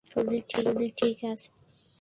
শরীর ঠিক আছে তো?